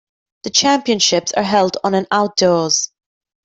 The championships are held on an outdoors.